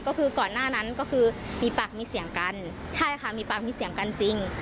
ก็คือก่อนหน้านั้นก็คือมีปากมีเสียงกันใช่ค่ะมีปากมีเสียงกันจริง